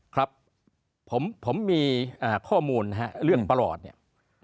ครับผมมีข้อมูลนะฮะเรื่องประหลอดเนี่ย